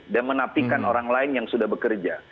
menapikan orang lain yang sudah bekerja